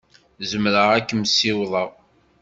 Zemreɣ ad kem-ssiwḍeɣ.